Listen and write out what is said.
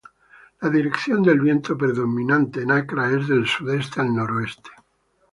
La dirección del viento predominante en Acra es del sudeste al noreste.